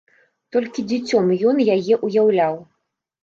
Толькі дзіцём ён яе ўяўляў.